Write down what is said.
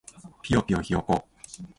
ぴよぴよひよこ